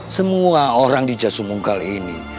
semua orang di jasumungkal ini